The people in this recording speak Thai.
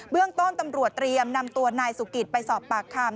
เรื่องต้นตำรวจเตรียมนำตัวนายสุกิตไปสอบปากคำ